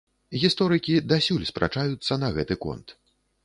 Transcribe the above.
Гісторыкі дасюль спрачаюцца на гэты конт.